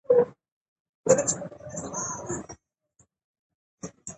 اخلاق د انسان د وجدان، نیت، فکر او عمل ترمنځ همغږي رامنځته کوي.